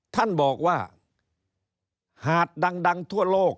ท่านบอกว่าหาดดังทั่วโลก